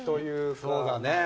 そうだね。